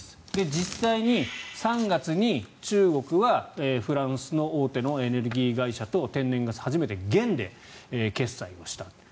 実際に３月に中国はフランスの大手のエネルギー会社と天然ガス初めて元で決済をしたと。